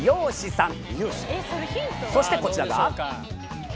そしてこちらが。